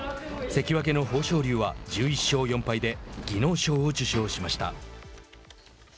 関脇の豊昇龍は１１勝４敗で、技能賞を受賞しました。